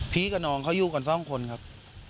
พี่กับน้องเขาอยู่กัน๒คนครับ